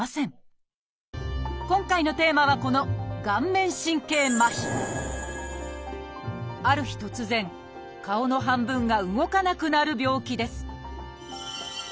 今回のテーマはこのある日突然顔の半分が動かなくなる病気です